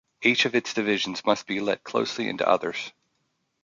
Each of its divisions must be let closely into others.